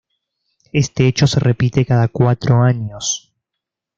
Este hecho se repite cada cuatro años.